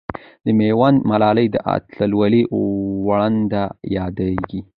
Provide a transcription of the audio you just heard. د میوند ملالۍ د اتلولۍ ونډه یادېږي.